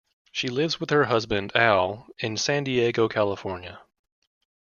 She lives with her husband, Al, in San Diego, California.